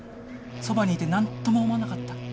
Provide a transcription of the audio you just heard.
そばにいて何とも思わなかった？